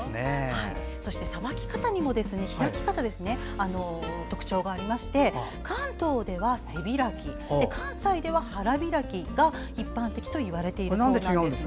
そして開き方、さばき方にも特徴がありまして関東では背開き関西では腹開きが一般的といわれているそうです。